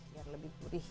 biar lebih gurih